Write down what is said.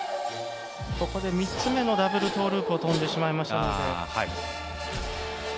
ここで３つ目のダブルトーループを跳んでしまいましたので。